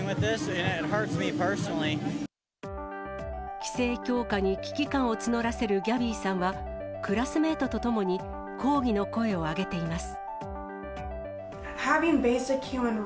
規制強化に危機感を募らせるギャビーさんは、クラスメートと共に抗議の声を上げています。